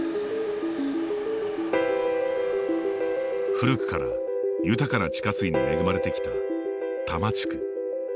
古くから豊かな地下水に恵まれてきた多摩地区。